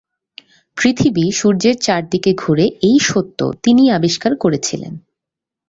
পৃথিবী সূর্যের চারদিকে ঘুরে এই সত্য তিনিই আবিষ্কার করেছিলেন।